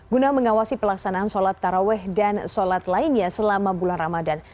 guna mengawasi pelaksanaan sholat taraweh dan sholat lainnya selama bulan ramadan